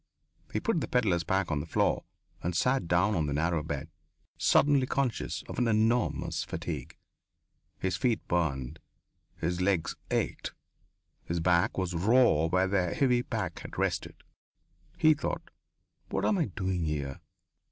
He put his pedlar's pack on the floor and sat down on the narrow bed, suddenly conscious of an enormous fatigue. His feet burned, his legs ached, his back was raw where the heavy pack had rested. He thought: "What am I doing here?